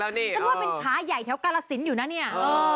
ซักวันเป็นค้าใหญ่แถวกละสินอยู่นะเนี่ย